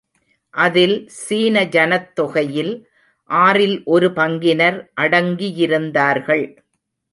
அதில் சீன ஜனத்தொகையில் ஆறில் ஒரு பங்கினர் அடங்கியிருந்தார்கள்.